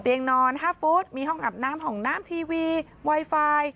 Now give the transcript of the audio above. เตียงนอน๕ฟุตมีห้องอาบน้ำห่องน้ำทีวีไวไฟ